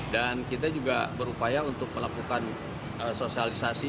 dan kita juga berupaya untuk melakukan sosialisasi